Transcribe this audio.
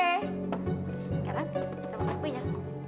sekarang kita makan kuenya